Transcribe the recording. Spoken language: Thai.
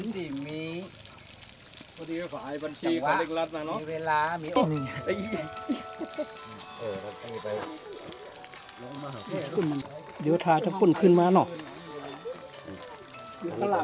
เดี๋ยวท้ายทะเปลื้อนขึ้นมาหรอ